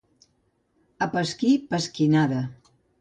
A pasquí, pasquinada.